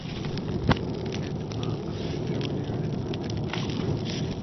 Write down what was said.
Este producto se distribuye gracias a la Kellogg Company.